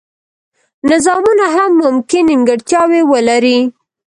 نظامونه هم ممکن نیمګړتیاوې ولري.